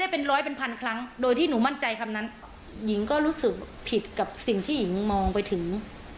เป็นร้อยเป็นพันครั้งโดยที่หนูมั่นใจคำนั้นหญิงก็รู้สึกผิดกับสิ่งที่หญิงมองไปถึง